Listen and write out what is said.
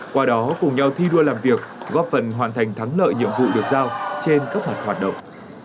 qua đó cùng nhau thi đua làm việc góp phần hoàn thành thắng lợi nhiệm vụ được giao trên các mặt hoạt động